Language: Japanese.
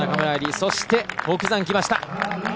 そして北山、きました。